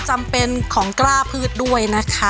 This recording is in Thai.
จำเป็นของกล้าพืชด้วยนะคะ